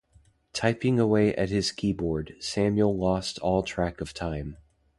Typing away at his keyboard, Samuel lost all track of time.